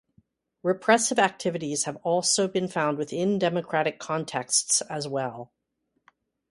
Repressive activities have also been found within democratic contexts as well.